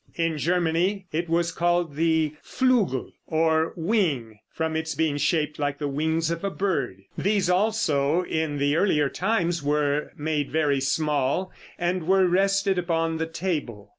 In Germany it was called the flugel or wing, from its being shaped like the wings of a bird. These also, in the earlier times, were made very small, and were rested upon the table.